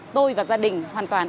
tôi và gia đình hoàn toàn